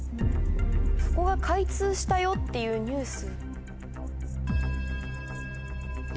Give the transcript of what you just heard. そこが開通したよっていうニュース。